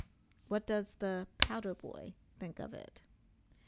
What does the "powder boy" think of it?